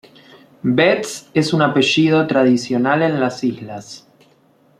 Betts es un apellido tradicional en las islas.